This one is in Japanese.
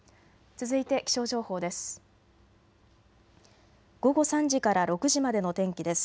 続いて気象情報です。